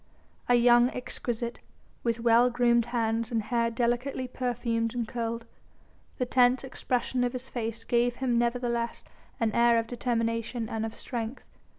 A young exquisite, with well groomed hands and hair delicately perfumed and curled, the tense expression of his face gave him nevertheless an air of determination and of strength.